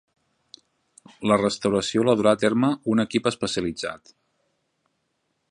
La restauració la durà a terme un equip especialitzat.